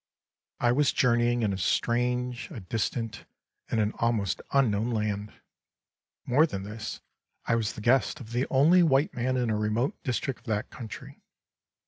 I was journeying in a strange, a distant, and an almost unknown land. More than this, I was the guest of the only white man in a remote district of that country.